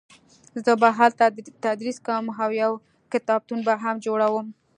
زه به هلته تدریس کوم او یو کتابتون به هم جوړوم